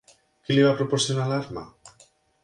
Qui li va proporcionar l'arma?